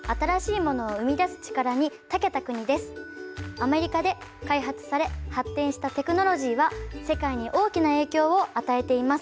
アメリカで開発され発展したテクノロジーは世界に大きな影響を与えています。